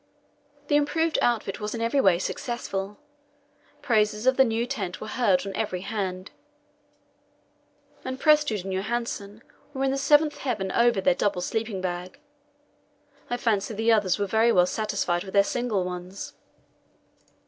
The improved outfit was in every way successful. Praises of the new tent were heard on every hand, and Prestrud and Johansen were in the seventh heaven over their double sleeping bag. I fancy the others were very well satisfied with their single ones.